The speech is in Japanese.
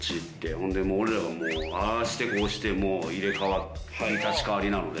ほんで俺らがああしてこうして入れ代わり立ち代わりなので。